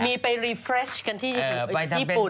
มีไปรีเฟรชกันที่ญี่ปุ่น